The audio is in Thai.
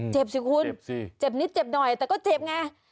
สิคุณเจ็บนิดเจ็บหน่อยแต่ก็เจ็บไง